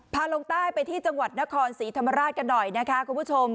ลงใต้ไปที่จังหวัดนครศรีธรรมราชกันหน่อยนะคะคุณผู้ชม